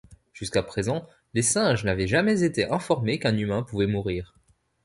Jusqu'à présent, les singes n'avaient jamais été informés qu'un humain pouvait mourir.